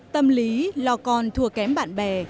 tâm lý lo con thua kém bạn bè